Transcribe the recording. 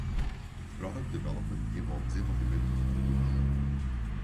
Product Development envolve desenvolvimento de produtos.